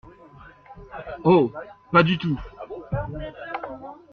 Oh ! pas du tout !